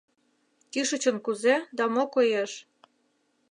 Кӱшычын кузе да мо коеш?